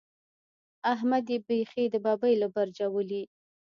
احمد يې بېخي د ببۍ له برجه ولي.